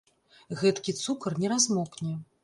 Гэткі цукар не размокне.